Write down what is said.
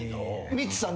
ミッツさん